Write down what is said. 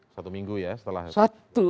satu minggu ya setelah itu